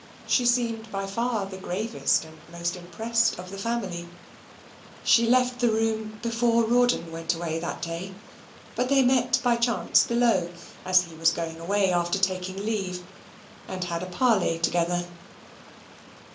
She seemed by far the gravest and most impressed of the family. She left the room before Rawdon went away that day; but they met by chance below, as he was going away after taking leave, and had a parley together.